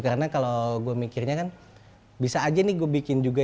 karena kalau gue mikirnya kan bisa aja nih gue bikin juga